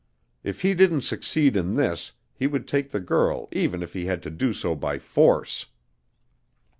If he didn't succeed in this, he would take the girl even if he had to do so by force.